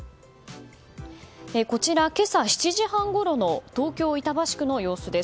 こちら今朝７時半ごろの東京・板橋区の様子です。